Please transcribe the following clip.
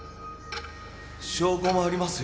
証拠もありますよ。